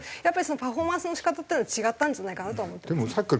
やっぱりそのパフォーマンスの仕方っていうのは違ったんじゃないかなとは思ってます。